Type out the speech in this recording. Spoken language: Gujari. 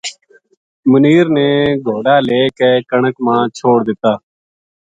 منیر نے گھوڑا لے کے کنک ما چھوڈ دِتا